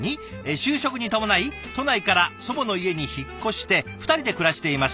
「就職に伴い都内から祖母の家に引っ越して２人で暮らしています。